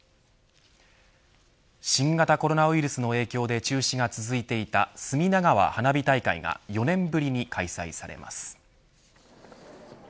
新型コロナウイルスの影響で中止が続いていた隅田川花火大会が４年ぶりに開催されます。